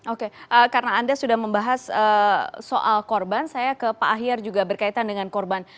oke karena anda sudah membahas soal korban saya ke pak ahyar juga berkaitan dengan korban